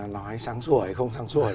nó hay sáng sủa hay không sáng sủa